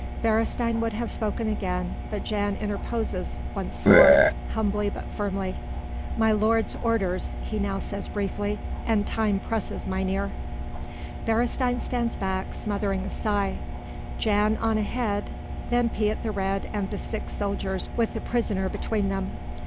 Beresteyn would have spoken again but Jan interposes once more, humbly but firmly. "My lord's orders," he now says briefly, "and time presses, mynheer." Beresteyn stands back, smothering a sigh. Jan on ahead, then Piet the Red and the six soldiers with the prisoner between them.